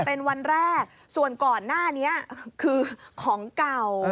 เป็นวันแรกส่วนก่อนหน้านี้คือของเก่า